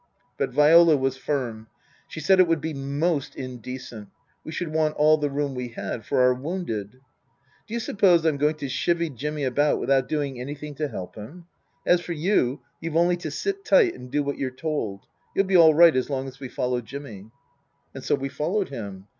But Viola was firm. She said it would be most in decent. We should want all the room we had for our wounded. " Do you suppose I'm going to chivy Jimmy about without doing anything to help him ? As for you, you've only to sit tight and do what you're told. You'll be all right as long as we follow Jimmy." And so we followed him.